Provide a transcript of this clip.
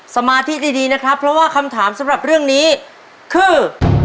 สมาธิดีนะครับเพราะว่าคำถามสำหรับเรื่องนี้คือ